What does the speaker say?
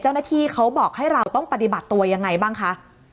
เจ้าหน้าที่เขาบอกให้เราต้องปฏิบัติตัวยังไงบ้างคะ